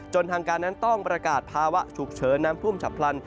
ทางการนั้นต้องประกาศภาวะฉุกเฉินน้ำท่วมฉับพลัน